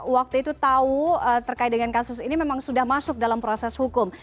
waktu itu tahu terkait dengan kasus ini memang sudah masuk dalam proses hukum